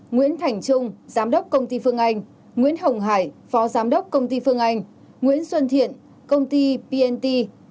nguyễn thành trung giám đốc công ty phương anh nguyễn hồng hải phó giám đốc công ty phương anh nguyễn xuân thiện công ty pnt